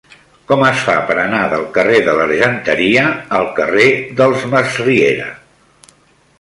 Com es fa per anar del carrer de l'Argenteria al carrer dels Masriera?